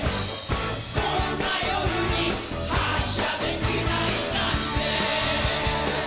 「こんな夜に発車できないなんて」